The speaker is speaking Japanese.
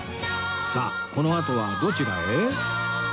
さあこのあとはどちらへ？